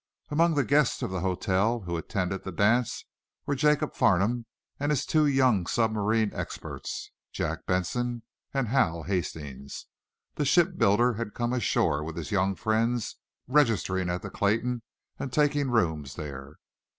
Among the guests of the hotel who attended the dance were Jacob Farnum and his two young submarine experts; Jack Benson and Hal Hastings. The shipbuilder had come ashore with his young friends, registering at the Clayton and taking rooms there.